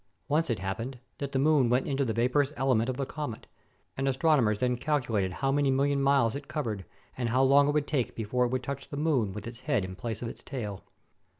Once it hap pened that the moon went into the vaporous element of the comet, and astronomers then calculated how many 460 THE COMING OF THE COMET million miles it covered and how long it would take be fore it would touch the moon with its head in place of its tail.